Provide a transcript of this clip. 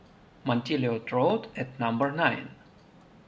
Montillot road at number nine